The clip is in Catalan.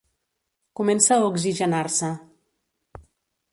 Comença a oxigenar-se.